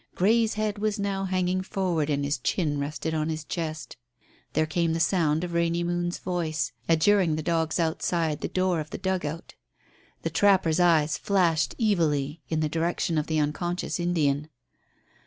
Grey's head was now hanging forward and his chin rested on his chest. There came the sound of Rainy Moon's voice adjuring the dogs outside the door of the dugout. The trapper's eyes flashed evilly in the direction of the unconscious Indian.